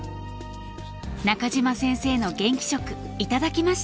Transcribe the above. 中島先生の元気食頂きました！